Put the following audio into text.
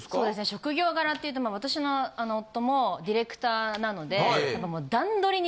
職業柄っていうとまあ私の夫もディレクターなので。